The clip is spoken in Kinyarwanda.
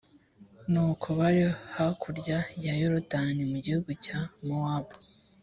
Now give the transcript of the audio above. nuko, bari hakurya ya yorudani mu gihugu cya mowabu